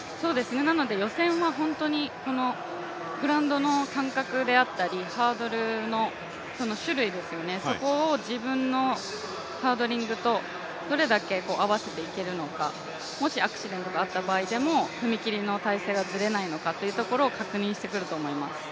なので予選は本当にこのグラウンドの感覚であったり、ハードルの種類、そこを自分のハードリングとどれだけ合わせていけるのか、もしアクシデントがあった場合でも踏切の体勢だったり、それを確認してくると思います。